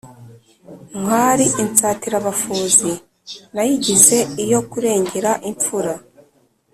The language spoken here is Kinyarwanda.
Ntwara insatirabafozi, nayigize iyo kurengera imfura.